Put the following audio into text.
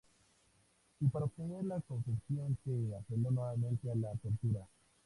Y para obtener la confesión se apeló nuevamente a la tortura".